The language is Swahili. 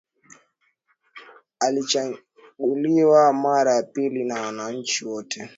Alichaguliwa mara ya pili na wananchi wote